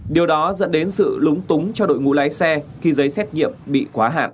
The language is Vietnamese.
điều đó dẫn đến sự lúng túng cho đội ngũ lái xe khi giấy xét nghiệm bị quá hạn